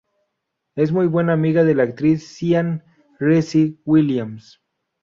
Es muy buena amiga de la actriz Sian Reese-Williams.